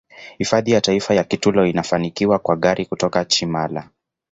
Hifadhi ya taifa ya Kitulo inafikiwa kwa gari kutoka Chimala